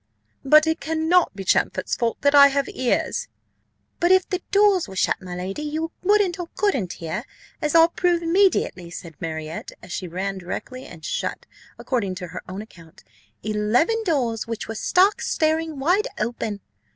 "But it cannot be Champfort's fault that I have ears." "But if the doors were shut, my lady, you wouldn't or couldn't hear as I'll prove immediately," said Marriott, and she ran directly and shut, according to her own account, "eleven doors which were stark staring wide open."